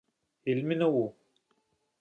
علمي نه و.